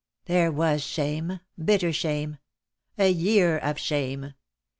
"There was shame — bitter shame — a year of shame.